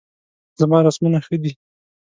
زما رسمونه ښه دي